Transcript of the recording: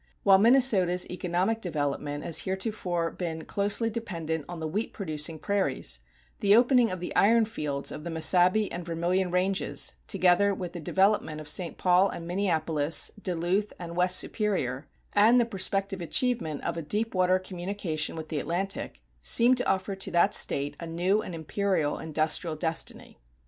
While Minnesota's economic development has heretofore been closely dependent on the wheat producing prairies, the opening of the iron fields of the Mesabi and Vermilion ranges, together with the development of St. Paul and Minneapolis, Duluth and West Superior, and the prospective achievement of a deep water communication with the Atlantic, seem to offer to that State a new and imperial industrial destiny.